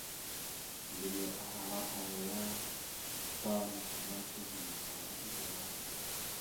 Mbile ahala aya ya, ca nakw ana kazǝmawkala eɗel a.